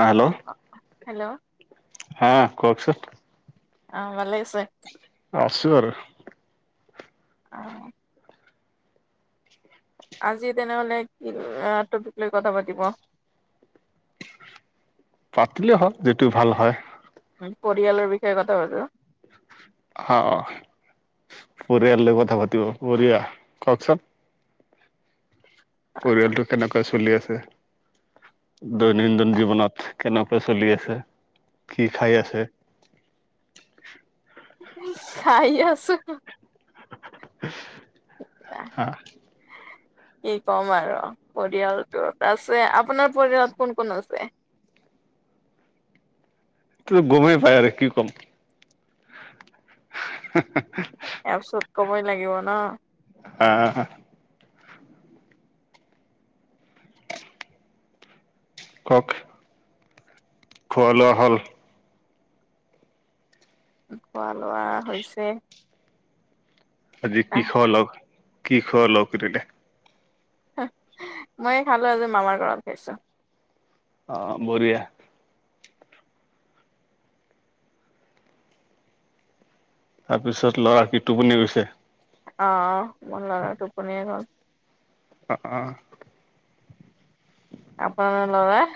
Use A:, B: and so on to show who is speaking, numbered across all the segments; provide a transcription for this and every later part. A: আ, hello,
B: hello,
A: হা কওকচোন?
B: আ ভালে আছে?
A: আছো আৰু।
B: [unintelligible] আজি তেনেহ'লে কি টপিক লৈ কথা পাতিব?
A: পাতিলে হ'ল যিটো ভাল হয়।
B: উম, পৰিয়ালৰ বিষয়ে কথা পাতো?
A: হ পৰিয়াল লৈ কথা পাতিব বঢিয়া ক'কচোন? পৰিয়ালটো কেনেকোৱা চলি আছে? দৈনন্দিন জীৱনত কেনেকে চলি আছে কি খাই আছে?
B: খাই আছোঁ।
A: [unintelligible] হা
B: [inaudible] কি ক'ম আৰু পৰিয়ালটোত আছে আপোনাৰ পৰিয়ালত কোন -কোন আছে?
A: তো গমেই পাই আৰু কি ক'ম। হা হা
B: এয়াৰ ওচৰত কবই লাগিব ন
A: হা হা হা কওক খোৱা লোৱা হ'ল?
B: খোৱা লোৱা হৈছে।
A: আজি
B: আহ
A: কিখলগ -কিখলগ হৈ থাকে।
B: [unintelligible] মই খালোঁ আজি মামাৰ ঘৰত খাইছোঁ।
A: অ বঢ়িয়া তাৰপিছত ল'ৰা কি টোপনি গৈছে?
B: অ মোৰ ল'ৰা টোপনিয়ে গ'ল
A: অ অ
B: আপোনাৰ ল'ৰাই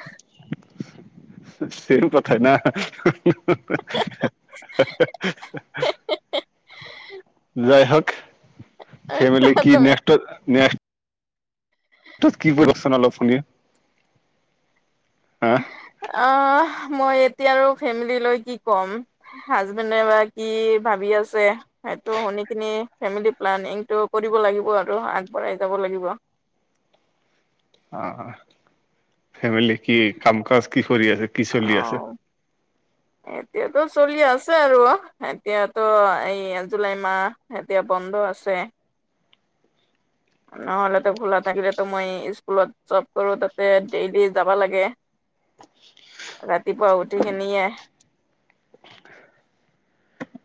A: চেইম কথাই না হা হা হা হা জয় হওক ফেমিলি কি
B: তুমি
A: নেক্সটত নেক্স ত কি কৰিবচোন অলপ শুনি হা
B: অ মই এতিয়া আৰু ফেমিলি লৈ কি ক'ম হাজবেণ্ডে বা কি ভাবি আছে। সেইটো শুনি কিনি ফেমিলি প্লানিংটো কৰিব লাগিব আৰু আগবঢ়াই যাব লাগিব
A: অ ফেমিলি কি কাম কাজ কি কৰি আছে কি চলি আছে
B: [inaudible] এতিয়াতো চলি আছে আৰু এতিয়াতো এই জুলাই মাহ এতিয়া বন্ধ আছে নহলেতো খোলা থাকিলেতো মই স্কুলত জব কৰো তাতে ডেইলি যাব লাগে। ৰাতিপুৱা উঠি কিনিয়ে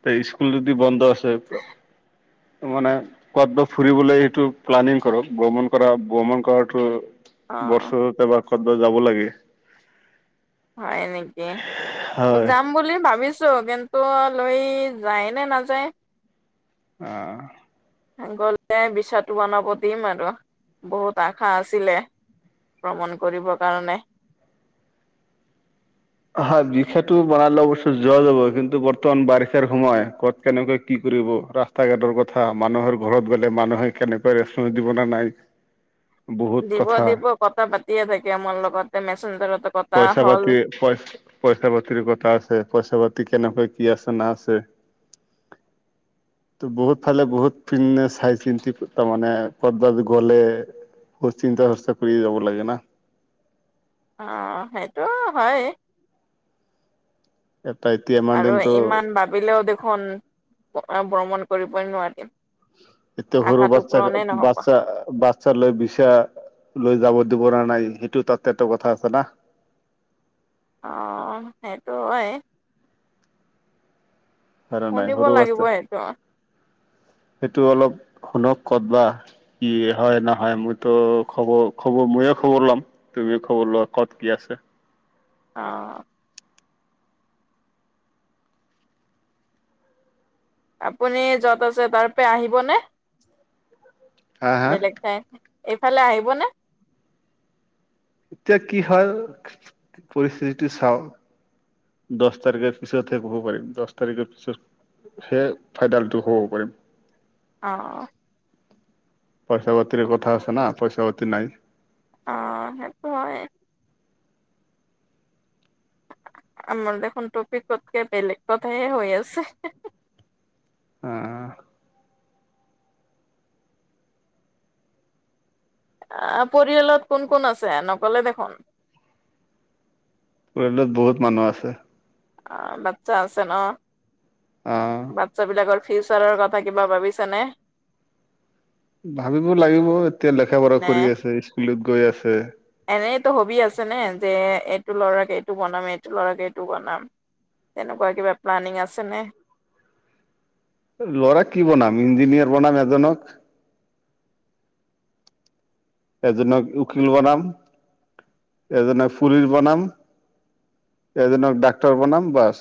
A: তাই স্কুল যদি বন্ধ আছে মানে কত বা ফুৰিবলে সেইটো প্লানিং কৰক ভ্ৰমণ কৰা ভ্ৰমণ কৰাটো
B: অ
A: বৰ্ষতে এবাৰ কদবা যাব লাগে
B: হয় নেকি যাম
A: হয়
B: যাম বুলি ভাবিছোঁ কিন্তু লৈ যায় নে নাযায়
A: অ
B: গলে ভিচাটো বনাব দিম আৰু বহুত আশা আছিলে ভ্ৰমণ কৰিবৰ কাৰণে
A: হা ভিষাটো বনালে অৱশ্যে যোৱা যাব কিন্তু বৰ্তমান বাৰিষাৰ সময় ক'ত কেনেকে কি কৰিব ৰা ৰাষ্টা ঘাটৰ কথা মানুহৰ ঘৰত গ'লে মানুহে কেনেকুৱা ৰেষ্টুৰেণ্ট দিব নে নাই? বহুত
B: দিব
A: কথা
B: দিব কথা পাতিয়ে থাকে আমাৰ লগতে মেচঞ্জাৰতে
A: পইচা পাতি পই পইচা পাতিৰ কথা আছে পইচা পাতি কেনেকৈ কি আছে না আছে
B: [inaudible]
A: ত বহুত ফালে বহুত পিন্নে চাই চিন্তি তাৰমানে কৰ বাত গলে বহুত চিন্তা চৰ্চা কৰি যাব লাগে না
B: অ সেইটো হয়
A: এটা এটিএম
B: আৰু ইমান ভাবিলেও দেখোন ভ্ৰমণ কৰিবই নোৱাৰিম
A: এতিয়া সৰু
B: আশাটো
A: বাচ্ছা
B: পূৰণে নহ'ব
A: বাচ্ছা বাছ চা লৈ বিচা লৈ যাব দিবৰানে নাই সেইটো তাতে ত কথা আছে না
B: অ সেইটো হয়
A: হয় না নাই
B: শুনিব
A: সৰু
B: লাগিব
A: বাচ্ছা
B: সেইটো।
A: সেইটো অলপ শুনক কত বা। কি হয় নহয় মইতো খবৰ খবৰ ময়ে খবৰ লম। তুমি খবৰ লোৱা ক'ত কি আছে।
B: অঁ আপুনি য'ত আছে তাৰপে আহিবনে,
A: হা হা
B: বেলেগ এইফালে আহিব নে?
A: এতিয়া কি হয় পৰিস্থিতিটো চাওঁ। দশ তাৰিখে পিছতহে ক'ব পাৰিম দশ তাৰিখৰ পিছত সেই ফাইদলটো কব পাৰিম।
B: অ
A: পইচা পাতিৰ কথা আছে না পইচা পাতি নাই
B: অঁ সেইটো হয়। আমাৰ দেখোন টপি কতকে বেলেগ কথাহে হৈ আছে।
A: উম
B: অঁ পৰিয়ালত কোন কোন আছে নকলে দেখোন।
A: পৰিয়ালত বহুত মানুহ আছে
B: অ বাটচা আছে ন।
A: আহ
B: বাটচা বিলাকৰ ফিউচাৰৰ কথা কিবা ভাবিছে নে
A: ভাবিব লাগিব এতিয়া লেখা পঢ়া
B: নে
A: কৰি আছে স্কুলত গৈ আছে।
B: এনেইতো হবি আছে নে যে এইটো লৰাক এইটো বনাম এইটো ল'ৰাক এইটো বনাম। তেনেকুৱা কিবা প্লানিং আছে নে।
A: ল'ৰা কি বনাম ইঞ্জিনিয়াৰ বনাম এজনক। এজনক উকিল বনাম এজনক ফুলিচ বনাম। এজনক ডাক্তৰ বনাম বাছ।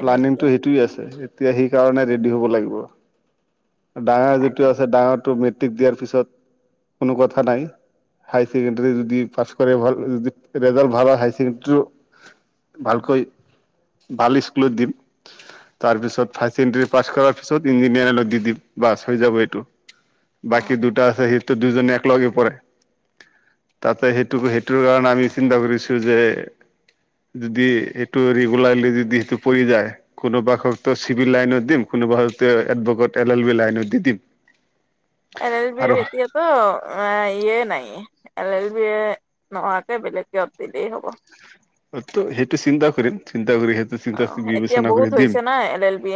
B: এনে কি?
A: সেইটোৱে আছে, এতিয়া সেই কাৰণে ৰেডি হ'ব লাগিব। ডাঙৰ যিটো আছে ডাঙৰটো মেট্ৰিক দিয়াৰ পিছত কোনো কথা নাই। হায় ছেকেণ্ডাৰী যদি পাছ কৰে ভাল যদি ৰেজাল্ট ভাল হয় হ ছেকেণ্ডীটো- ভালকৈ ভাল স্কুলত দিম। তাৰপিছত হায়াৰ ছেকেণ্ডেৰী পাছ কৰাৰ পিছত ইঞ্জিনিয়াৰিংত দিম বাছ হৈ যাব এইটো। বাকী দুটা আছে সেইটো দুজনে একেলগে পঢ়ে। তাতে সেইটো সেইটোৰ কাৰণে আমি চিন্তা কৰিছো যে যদি সেইটো ৰেগুলাৰলি যদি সেইটো পৰি যায়। কোনোবা হয়তো চিভিল লাইনত দিম, কোনোবা এডভকেট এল এল বি লাইনত দি দিম।
B: এল এল বিৰ
A: আৰু
B: এতিয়া তো ইয়ে নাই এল এল বি এ নোহোৱাকৈ বেলেগত দিলেই হ'ব।
A: সেইটো চিন্তা কৰিম চিন্তা কৰি সেইটো
B: অ
A: চিন্তা
B: এতিয়া
A: বিবেচনা
B: বহুত
A: কৰি দিম।
B: হৈছে না এল এল বি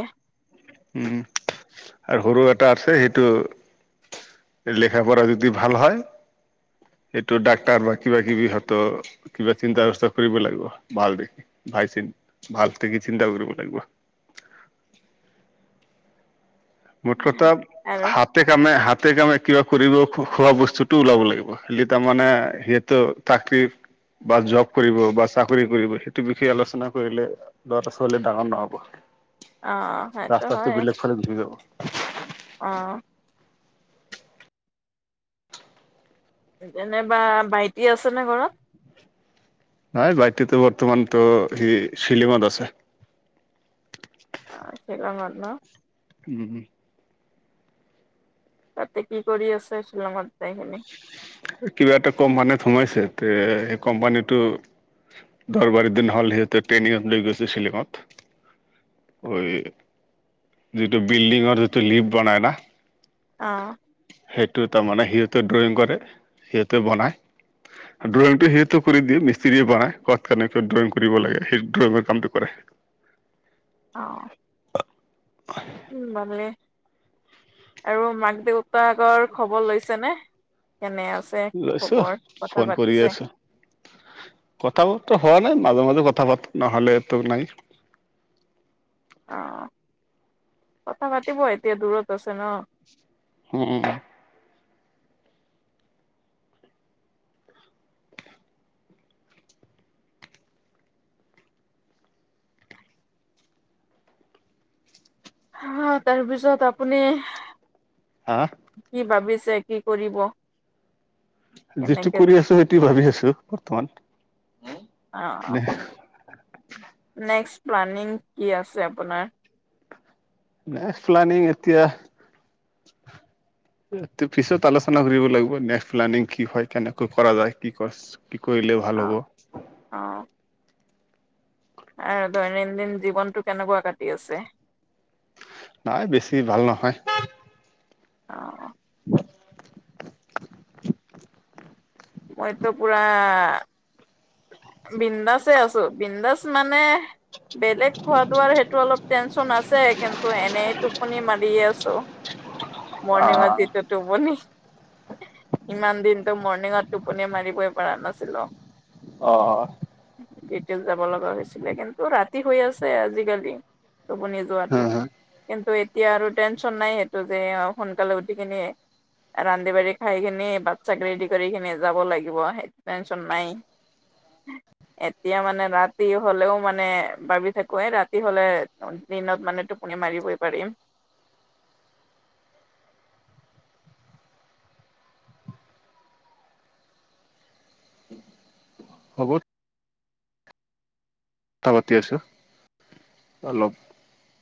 A: উম আৰু সৰু এটা আছে সেইটো। লেখ পঢ়া যদি ভাল হয়। এইটো ডাক্তাৰ বা কিবা কিবি হয়ত কিবা চিন্তা ব্যৱস্থা- কৰিব লাগিব ভাল দেখি, ভাই চি ভাল দেখি চিন্তা কৰিব লাগিব। মোৰ কথা হাত
B: আৰু
A: হাতে কামে হাতে কামে কিবা কৰিব খোৱা বস্তুটো ওলাব লাগিব, খালি তাৰমানে সিহঁতু- চাকৰি বা জব কৰিব বা চাকৰি কৰিব সেইটো বিষয়ে আলোচনা কৰিলে। লৰাটা ছোৱালী ডাঙৰ নহ'ব,
B: অ সেইটো
A: ৰাস্তা টো বেলেগ ফালে গুচি যাব।
B: অঁ এনেবা ভাইটি আছেনে ঘৰত।
A: নাই ভাইটো বৰ্তমানতো সি শিলিঙত আছে।
B: অ শিলংত ন।
A: উম
B: তাতে কি কৰি আছ শ্বিলঙত যাই কিনে-
A: কিবা এটা কোম্পানীত সোমাইছে তে সেই কোম্পানীটো- দৰবাৰি দিন হল সিহঁতে ট্ৰেইনিং গৈছে শ্বিলঙত। ঐ যিটো বিল্ডিঙৰ যিটো লিফ বনাই না
B: অ
A: সেইটোৱে তাৰমানে সিহঁতে ড্ৰয়িং কৰে সিহঁতে বনায় ড্ৰয়িংটো সেইটো কৰি মিস্ত্ৰীয়ে বনাই কাত কাৰণে কিয় ড্ৰয়িং কৰিব লাগে সেই ড্ৰয়িঙৰ কামটো কৰে।
B: অঁ উম বানলে। আৰু মাক দেউতাকৰ খবৰ লৈছেনে কেনে আছে কি
A: লৈছো
B: খবৰ, কথা
A: ফোন কৰি
B: পাতিছে?
A: আছো। কথা বতৰা হোৱা নাই মাজে মাজে কথা পাতো নহলেতো নাই
B: অ কথা পাতিবই এতিয়া দূৰত আছে ন।
A: হু উম উম
B: হা তাৰপিছত আপুনি
A: হা
B: কি ভাবিছে কি কৰিব?
A: যিটো
B: কেনেকে
A: কৰি আছো সেইটো ভাবি আছো বৰ্তমান
B: অ',
A: নে
B: নেক্সট প্লানিং কি আছে আপোনাৰ?
A: নেক্সট প্লানিং এতিয়া
B: [inaudible]
A: এইটো পিছত আলোচনা কৰিব লাগিব নেক্সট প্লানিং কি হয় কেনেকৈ কৰা যায় কি কছ কি কৰিলে ভাল হ'ব
B: অ', অ আৰু দৈনন্দিন জীৱনতো কেনেকোৱা কাটি আছে?
A: নাই বেছি ভাল নহয়।
B: অ
A: [unintelligible]
B: মইতো পুৰা বিনন্দাসে আছো বিনন্দাস মানে বেলেগ খোৱা দোৱাৰ সেইটো অলপ টেনশচন আছে ত এনেই টোপনি মাৰিয়ে আছো
A: হা
B: মৰ্ণিঙত যিটো টোপনি ইমান দিনতো মৰনিংত টোপনিয়ে মাৰিবই পৰা নাছিলো
A: অ অ
B: এতিয়া যাব লগা হৈছিলে কিন্তু ৰাতি হৈ আছে আজিকালি টোপনি লৰাটো
A: হা
B: কিন্তু এতিয়া আৰু টেনচন নাই সেইটো যে সোনকালে উঠি কিনি ৰান্ধী বাঢ়ী খাই কিনে বাচ্ছা ৰেডি কৰি কেনে যাব লাগিব সেইটো টেনচন নাই এতিয়া মানে ৰাতি হলেও মানে ভাবি থাকো এই ৰাতি হলে দিনত মানে টোপনি মাৰিবই পাৰিম
A: খবৰ কথা পাতি আছো অলপ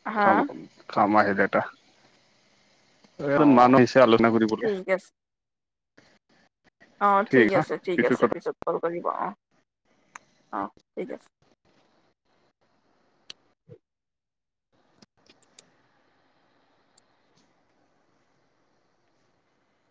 B: হা
A: কামত কামাই কেইটা এ
B: অ
A: এজন মানুহ আহিছে আলোচনা কৰিবলে
B: ঠিক আছে অ ঠিক আছে ঠিক আছে পিছত কল কৰিব অ অ ঠিক আছে